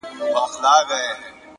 نیک کردار تر نوم مخکې ځلېږي.